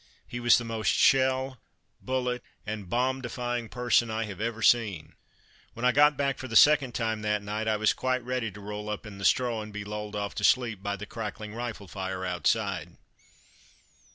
He was the most shell, bullet, and bomb defying person I have ever seen. When I got back for the second time that night I was quite ready to roll up in the straw, and be lulled off to sleep by the cracking rifle fire outside.